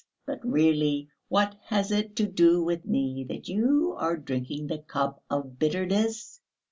"But really, what has it to do with me that you are drinking the cup of bitterness?